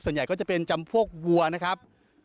ส่วนใหญ่ก็จะเป็นจำพวกวัวนะครับ